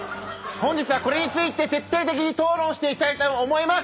本日はこれについて徹底的に討論していきたいと思います。